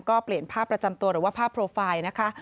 ก็เปลี่ยนภาพประจำตัวหรือว่าภาพโปรไฟล์นะคะ